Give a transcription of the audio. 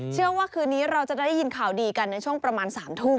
เชื่อว่าคืนนี้เราจะได้ยินข่าวดีกันในช่วงประมาณ๓ทุ่ม